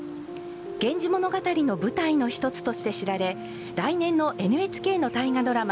「源氏物語」の舞台の１つとして知られ来年のＮＨＫの大河ドラマ